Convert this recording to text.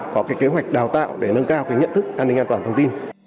có cái kế hoạch đào tạo để nâng cao nhận thức an ninh an toàn thông tin